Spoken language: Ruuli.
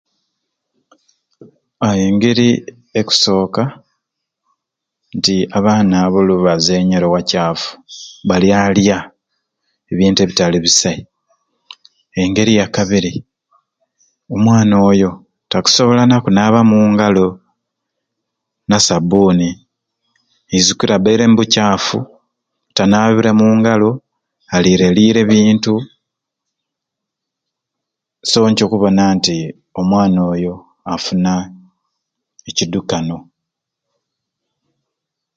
Engeri ekusoka nti abaana abo buli lwebazenyera ewacafu balya lya ebintu ebitali bisai engeri eya kabiri omwana oyo tasobola nakunaaba my ngalo na sabbuni nzukira abaire mu bucafu tanabire mungalo aliire lire ebintu so nikyo okubona nti omwana oyo afuna ekidukano